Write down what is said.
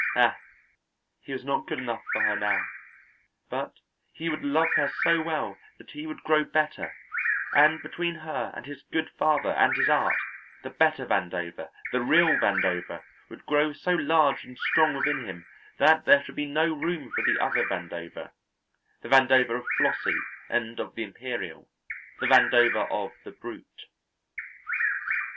Ah, he was not good enough for her now, but he would love her so well that he would grow better, and between her and his good father and his art, the better Vandover, the real Vandover, would grow so large and strong within him that there should be no room for the other Vandover, the Vandover of Flossie and of the Imperial, the Vandover of the brute.